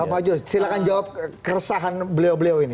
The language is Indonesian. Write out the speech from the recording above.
bapak fajrul silahkan jawab keresahan beliau beliau ini